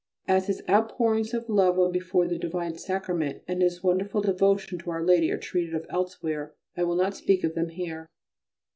As his outpourings of love when before the Divine Sacrament, and his wonderful devotion to our Lady are treated of elsewhere I will not speak of them here.